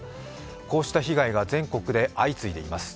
こうした被害が全国で相次いでいます。